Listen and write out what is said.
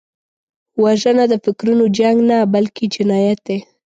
وژنه د فکرونو جنګ نه، بلکې جنایت دی